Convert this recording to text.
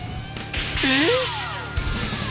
「えっ！？」。